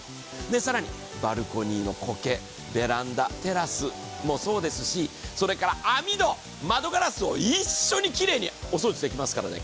更にバルコニ−のこけベランダ、テラスもそうですし、網戸、窓ガラスを一緒にきれいにお掃除できますからね。